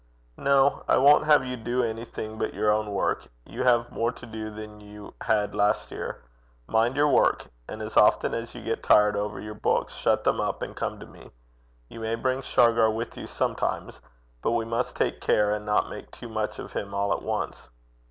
'No. I won't have you do anything but your own work. You have more to do than you had last year. Mind your work; and as often as you get tired over your books, shut them up and come to me. You may bring Shargar with you sometimes, but we must take care and not make too much of him all at once.'